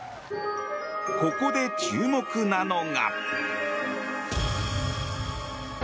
ここで注目なのが。